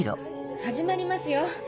始まりますよ